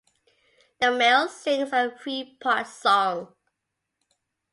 The male sings a three-part song.